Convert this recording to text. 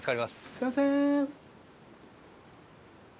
すいません。